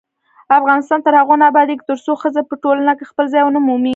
افغانستان تر هغو نه ابادیږي، ترڅو ښځې په ټولنه کې خپل ځای ونه مومي.